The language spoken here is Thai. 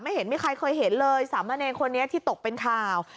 เห็นมีใครเคยเห็นเลยสามะเนรคนนี้ที่ตกเป็นข่าว